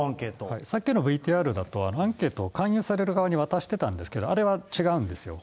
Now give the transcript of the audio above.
さっきのＶＴＲだと、あのアンケート、勧誘される側に渡してたんですけど、あれは違うんですよ。